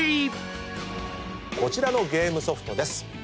こちらのゲームソフトです。